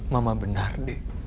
mama benar d